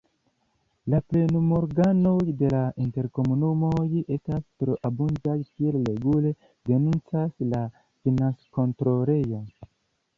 La plenumorganoj de la interkomunumoj estas troabundaj, kiel regule denuncas la financkontrolejo.